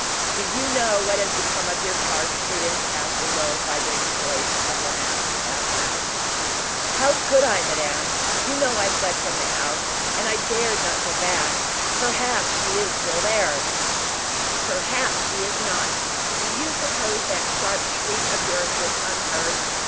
"Do you know what has become of your charge, Prudence?" asked the low, vibrating voice of La Masque, at last. "How could I, madame? You know I fled from the house, and I dared not go back. Perhaps she is there still." "Perhaps she is not? Do you suppose that sharp shriek of yours was unheard?